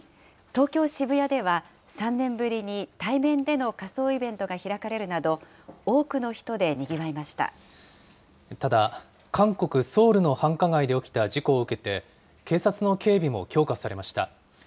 東京・渋谷では、３年ぶりに対面での仮装イベントが開かれるなど、ただ、韓国・ソウルの繁華街で起きた事故を受けて、警察の警備も強化されました。